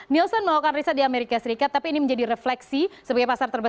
nielsen melakukan riset di amerika serikat tapi ini menjadi refleksi sebagai pasar terbesar